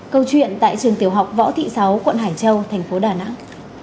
câu chuyện tại trường tiểu học võ thị sáu quận hải châu tp đà nẵng